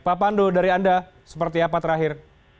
pak pandu dari anda seperti apa terakhir